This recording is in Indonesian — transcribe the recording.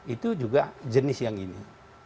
itu juga jenis yang ini